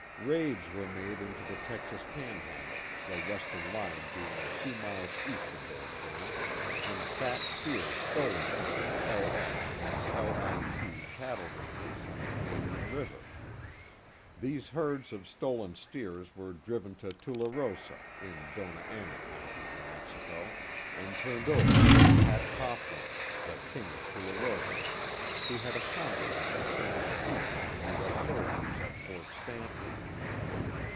Raids were made into the Texas Panhandle, the western line being a few miles east of their camp, and fat steers stolen from the "LX" and "LIT" cattle ranges on the Canadian river. These herds of stolen steers were driven to Tularosa, in Dona Ana County, New Mexico, and turned over to Pat Cohglin, the "King of Tularosa," who had a contract to furnish beef to the U. S. soldiers at Ft. Stanton.